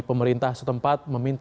pemerintah setempat meminta warganya